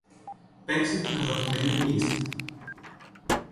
Παίξε την αγαπημένη μου λίστα.